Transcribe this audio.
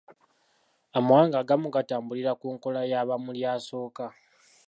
Amawanga agamu gatambulira ku nkola ya bamulya-asooka.